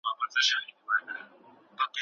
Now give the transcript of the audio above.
هغوی په ګډه د انټرنیټ له لارې پروژه بشپړه کړه.